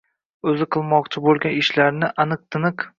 o‘zi qilmoqchi bo‘lgan ishlarni aniq-tiniq